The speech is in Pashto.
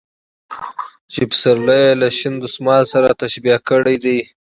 چې پسرلى يې له شين دسمال سره تشبيه کړى دى .